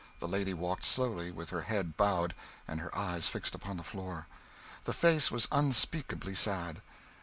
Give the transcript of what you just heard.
The lady walked slowly, with her head bowed and her eyes fixed upon the floor. The face was unspeakably sad.